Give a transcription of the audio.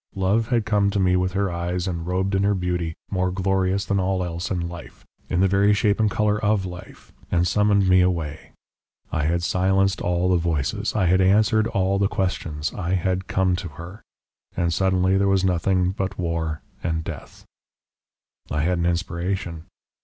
Love had come to me with her eyes and robed in her beauty, more glorious than all else in life, in the very shape and colour of life, and summoned me away. I had silenced all the voices, I had answered all the questions I had come to her. And suddenly there was nothing but War and Death!" I had an inspiration.